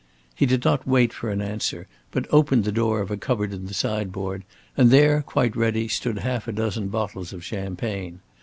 He did not wait for an answer, but opened the door of a cupboard in the sideboard, and there, quite ready, stood half a dozen bottles of champagne.